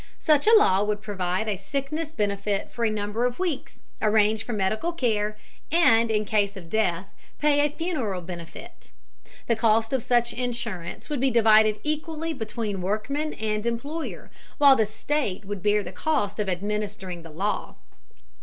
Such a law would provide a sickness benefit for a number of weeks, arrange for medical care, and, in case of death, pay a funeral benefit. The cost of such insurance would be divided equally between workmen and employer, while the state would bear the cost of administering the law.